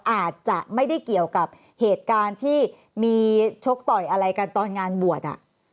อาจจะไม่ได้เกี่ยวกับเหตุการณ์ที่มีชกต่อยอะไรกันตอนงานบวช